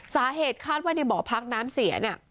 สาเหตุคาดว่าในบ่อพักน้ำเสียเนี่ย